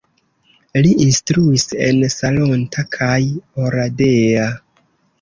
Li instruis en Salonta kaj Oradea.